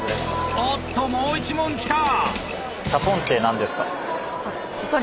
おっともう１問きた！